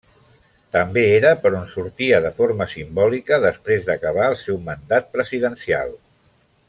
També era per on sortia de forma simbòlica després d'acabar el seu mandat presidencial.